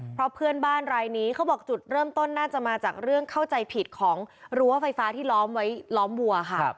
เพราะเพื่อนบ้านรายนี้เขาบอกจุดเริ่มต้นน่าจะมาจากเรื่องเข้าใจผิดของรั้วไฟฟ้าที่ล้อมไว้ล้อมวัวค่ะ